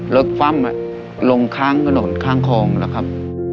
รถปั๊มลงข้างกระหนดข้างคลองแล้วครับ